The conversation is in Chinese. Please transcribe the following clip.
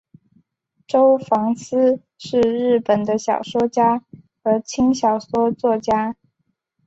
周防司是日本的小说家和轻小说作家。